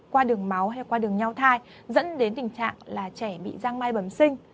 qua đường máu hay qua đường nhau thai dẫn đến tình trạng là trẻ bị giang mai bẩm sinh